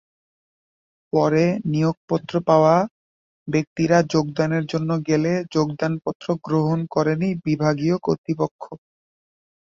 পরে নিয়োগপত্র পাওয়া ব্যক্তিরা যোগদানের জন্য গেলে যোগদানপত্র গ্রহণ করেনি বিভাগীয় কর্তৃপক্ষ।